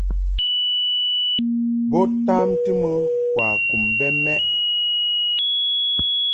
Bo tamti mɨ kwakum bɛ mɛʼ.